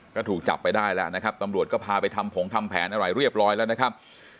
ก็ถูกจับไปได้แล้วนะครับตำรวจก็พาไปทำผงทำแผนอะไรเรียบร้อยแล้วนะครับ